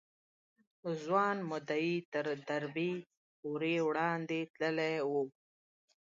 ځوان مدعي تر دربي پورې وړاندې تللی و.